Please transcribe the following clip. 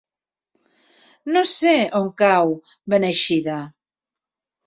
No sé on cau Beneixida.